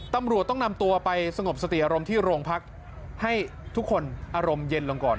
ตำรวจต้องนำตัวไปสงบสติอารมณ์ที่โรงพักให้ทุกคนอารมณ์เย็นลงก่อน